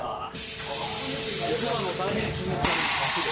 妻も大変気に入っております。